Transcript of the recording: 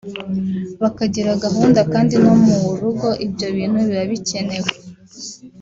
bakagira gahunda kandi no mu rugo ibyo bintu biba bikenewe